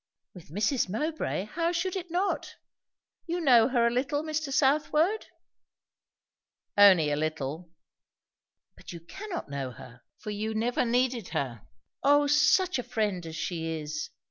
"With Mrs. Mowbray, how should it not? You know her a little, Mr. Southwode?" "Only a little." "But you cannot know her, for you never needed her. O such a friend as she is!